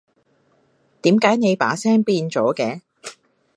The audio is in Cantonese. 點解你把聲變咗嘅？